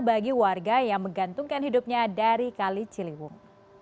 bagi warga yang menggantungkan hidupnya dari kali ciliwung